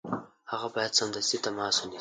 هغه باید سمدستي تماس ونیسي.